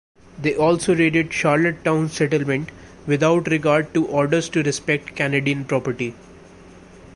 They also raided Charlottetown settlement without regard to orders to respect Canadian property.